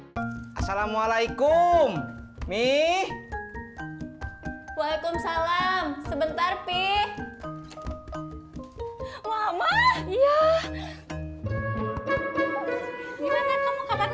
hai assalamualaikum mi waalaikumsalam sebentar pih mama iya